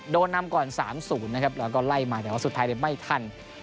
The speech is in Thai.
โดนนำก่อน๓๐นะครับแล้วก็ไล่มาแต่ว่าสุดท้ายไม่ทัน